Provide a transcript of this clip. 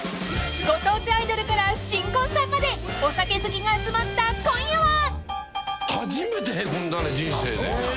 ［ご当地アイドルから新婚さんまでお酒好きが集まった今夜は］